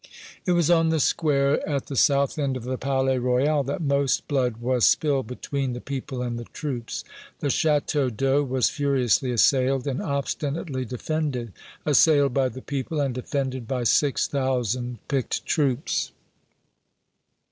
It was on the square at the south end of the Palais Royal that most blood was spilled between the people and the troops. The Château d'Eau was furiously assailed and obstinately defended assailed by the people and defended by six thousand picked troops.